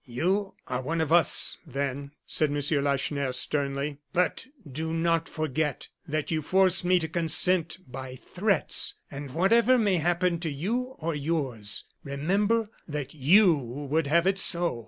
"You are one of us, then," said M. Lacheneur, sternly; "but do not forget that you forced me to consent by threats; and whatever may happen to you or yours, remember that you would have it so."